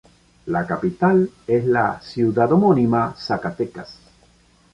La capital es la ciudad homónima, Zacatecas.